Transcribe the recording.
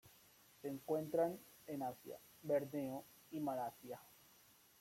Se encuentran en Asia: Borneo y Malasia.